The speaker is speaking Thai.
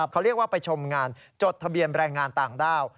เขาเรียกว่าไปชมงานจดทะเบียนแรงงานต่างด้าว